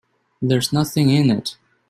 There's nothing in it.